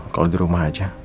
kalau di rumah aja